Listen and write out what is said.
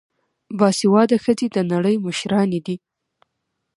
باسواده ښځې د نړۍ مشرانې دي.